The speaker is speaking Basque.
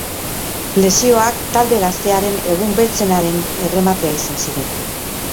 Lesioak talde gaztearen egun beltzenaren errematea izan ziren.